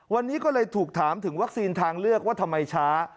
วันนี้ก็เลยถูกถามถึงวัคซีนทางเลือกว่าทำไมช้า